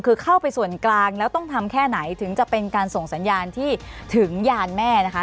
คือเข้าไปส่วนกลางแล้วต้องทำแค่ไหนถึงจะเป็นการส่งสัญญาณที่ถึงยานแม่นะคะ